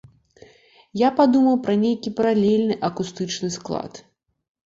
Я падумваў пра нейкі паралельны акустычны склад.